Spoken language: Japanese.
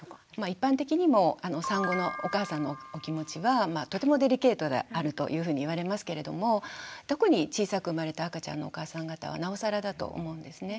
一般的にも産後のお母さんのお気持ちはとてもデリケートであるというふうに言われますけれども特に小さく生まれた赤ちゃんのお母さん方はなおさらだと思うんですね。